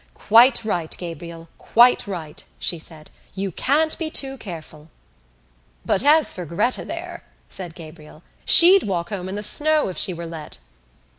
"Quite right, Gabriel, quite right," she said. "You can't be too careful." "But as for Gretta there," said Gabriel, "she'd walk home in the snow if she were let."